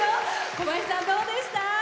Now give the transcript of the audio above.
小林さん、どうでした？